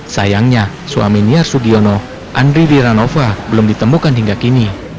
sayangnya suami nia sugiono andri diranova belum ditemukan hingga kini